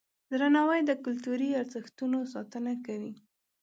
درناوی د کلتوري ارزښتونو ساتنه کوي.